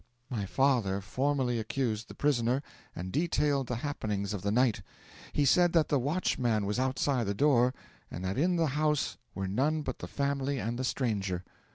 'My father formally accused the prisoner, and detailed the happenings of the night. He said that the watchman was outside the door, and that in the house were none but the family and the stranger.